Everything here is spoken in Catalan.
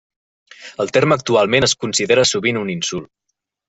El terme actualment es considera sovint un insult.